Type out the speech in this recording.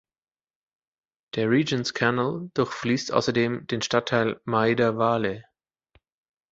Der Regent’s Canal durchfließt außerdem den Stadtteil Maida Vale.